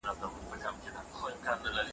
د مهاراجا او شاه شجاع نومونه یو ځای لیکل کیږي.